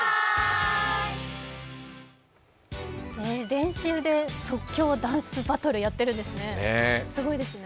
練習で即興ダンスバトルやってるんですね、すごいですね。